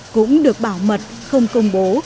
cũng được bảo mật không công bố